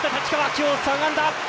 今日、３安打。